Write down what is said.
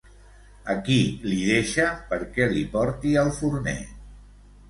A qui li deixa perquè li porti al forner?